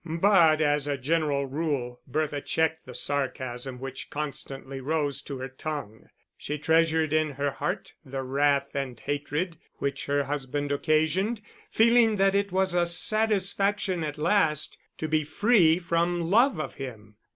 But as a general rule, Bertha checked the sarcasm which constantly rose to her tongue. She treasured in her heart the wrath and hatred which her husband occasioned, feeling that it was a satisfaction at last to be free from love of him.